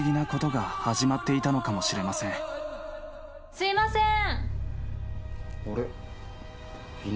すいませーん！